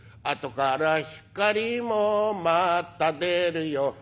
「あとからひかりもまた出るよ」